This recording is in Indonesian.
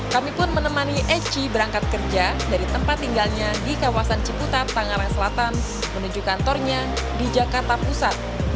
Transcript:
kami pun menemani eci berangkat kerja dari tempat tinggalnya di kawasan ciputat tangerang selatan menuju kantornya di jakarta pusat